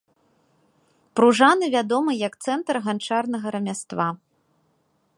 Пружаны вядомы як цэнтр ганчарнага рамяства.